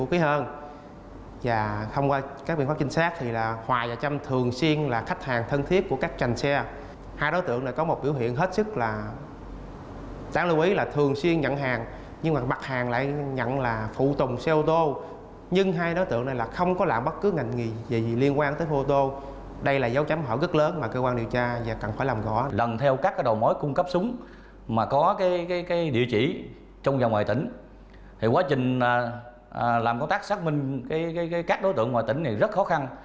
trong và ngoài tỉnh thì quá trình làm công tác xác minh các đối tượng ngoài tỉnh này rất khó khăn